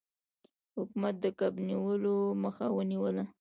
حکومت د کب نیولو مخه ونیوله.